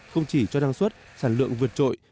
không chỉ cho năng suất sản lượng vượt trội